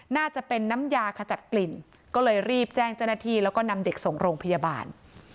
น่าจะเป็นน้ำยาขจัดกลิ่นก็เลยรีบแจ้งเจ้าหน้าที่แล้วก็นำเด็กส่งโรงพยาบาล